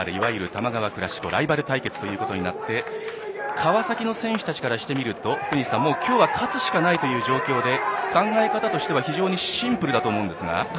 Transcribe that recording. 多摩川クラシコライバル対決ということになって川崎の選手たちからしてみると福西さん、今日は勝つしかないという状況で考え方としては非常にシンプルだと思うんですが。